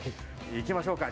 行きましょうか！